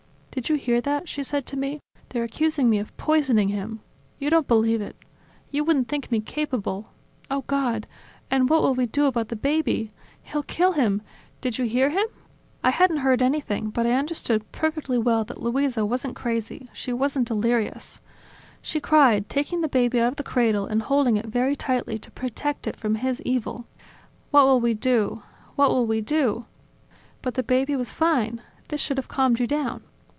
"Did you hear that?" she said to me, "They're accusing me of poisoning him. You don't believe it ... You wouldn't think me capable ... oh God! And what will we do about the baby? He'll kill him! Did you hear him?" I hadn't heard anything, but I understood perfectly well that Luisa wasn't crazy, she wasn't delirious ... She cried, taking the baby out of the cradle and holding it very tightly to protect it from his evil. "What will we do? What will we do?" "But the baby was fine. This should have calmed you down."